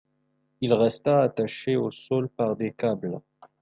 Il resta attaché au sol par des câbles.